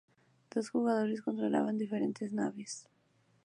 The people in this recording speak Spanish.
Dos jugadores controlaban diferentes naves.